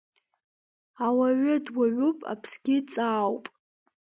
Ауаҩы дуаҩуп, аԥсгьы ҵаауп.